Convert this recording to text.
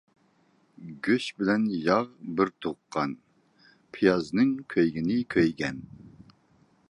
گۆش بىلەن ياغ بىر تۇغقان، پىيازنىڭ كۆيگىنى كۆيگەن.